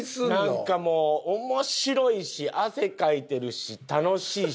なんかもう面白いし汗かいてるし楽しいし。